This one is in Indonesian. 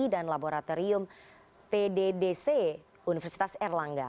dan laboratorium tddc universitas erlangga